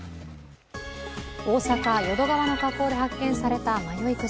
大阪・淀川の河口で発見された迷い鯨。